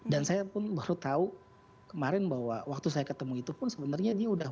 dan saya pun baru tahu kemarin bahwa waktu saya ketemu itu pun sebenarnya dia udah buka